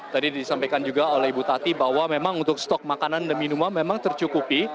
tadi disampaikan juga oleh ibu tati bahwa memang untuk stok makanan dan minuman memang tercukupi